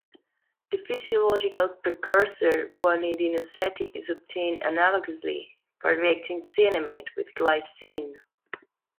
The physiological precursor guanidinoacetic is obtained analogously by reacting cyanamide with glycine.